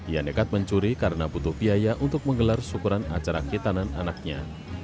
ia nekat mencuri karena butuh biaya untuk menggelar syukuran acara kitanan anaknya